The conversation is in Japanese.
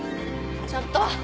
ちょっと。